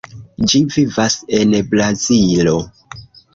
Ĝi vivas en Brazilo.